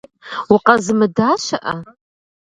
Укъэзымыда щыӏэ?